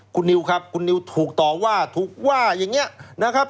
คุณนิวครับคุณนิวถูกต่อว่าถูกว่าอย่างนี้นะครับ